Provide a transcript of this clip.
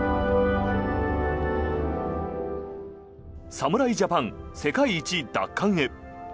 侍ジャパン、世界一奪還へ。